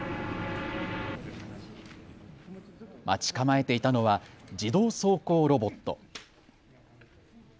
待ち構えていたのは自動走行ロボット。